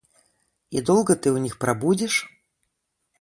И долго ты у них пробудешь?